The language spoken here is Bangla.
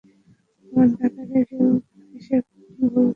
তোমার দাদা রেগেও হিসেবে ভুল করেন না।